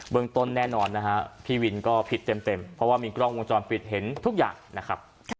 เมืองต้นแน่นอนนะฮะพี่วินก็ผิดเต็มเพราะว่ามีกล้องวงจรปิดเห็นทุกอย่างนะครับ